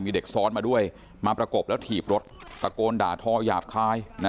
มีเด็กซ้อนมาด้วยมาประกบแล้วถีบรถตะโกนด่าทอหยาบคาย